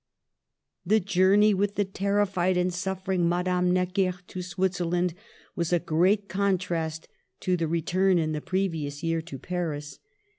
The journey with the terrified and suffering Madame Necker to Switzerland was a great con trast to the return in the previous year to Paris.